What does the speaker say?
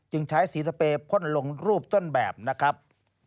ใช้สีสเปรย์พ่นลงรูปต้นแบบนะครับ